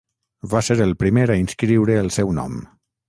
Va ser el primer a inscriure el seu nom.